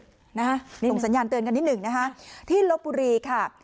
ส่งสัญญาณเตือนกันนิดหนึ่งนะคะที่ลบบุรีค่ะ